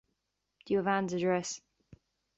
Do you have Anne's address?